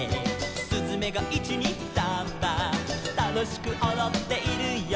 「すずめが１・２・サンバ」「楽しくおどっているよ」